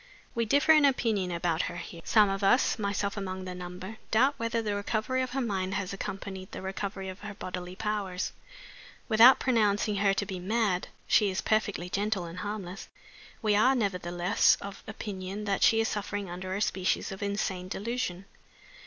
We differ in opinion about her here. Some of us (myself among the number) doubt whether the recovery of her mind has accompanied the recovery of her bodily powers. Without pronouncing her to be mad she is perfectly gentle and harmless we are nevertheless of opinion that she is suffering under a species of insane delusion.